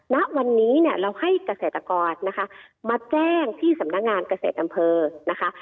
ณวันนี้เนี่ยเราให้เกษตรกรนะคะมาแจ้งที่สำนักงานเกษตรอำเภอนะคะ